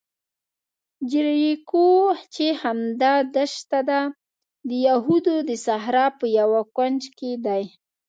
جیریکو چې همدا دښته ده، د یهودو د صحرا په یوه کونج کې دی.